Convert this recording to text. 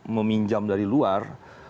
meminjam dari luar